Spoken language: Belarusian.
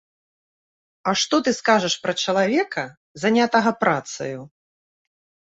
А што ты скажаш пра чалавека, занятага працаю?!